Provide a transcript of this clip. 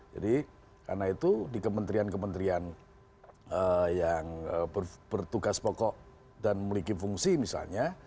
jadi karena itu di kementerian kementerian yang bertugas pokok dan memiliki fungsi misalnya